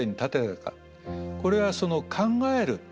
これはその考える。